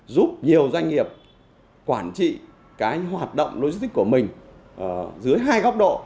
doanh nghiệp quản trị cái hoạt động logistics của mình dưới hai góc độ